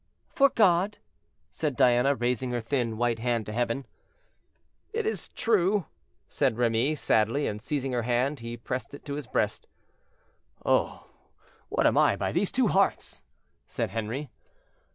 "For God," said Diana, raising her thin white hand to heaven. "It is true," said Remy, sadly; and seizing her hand he pressed it to his breast. "Oh! what am I by these two hearts?" said Henri.